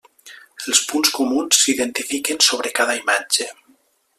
Els punts comuns s'identifiquen sobre cada imatge.